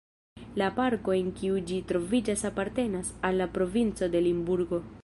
La parko en kiu ĝi troviĝas apartenas al la provinco de Limburgo.